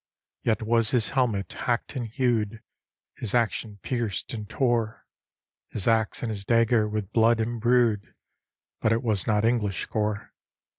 Yet was his helmet hack'd and hew'd. His acton pierced and tore, His axe and his dagger with blood imbrued, — But it was not English gore.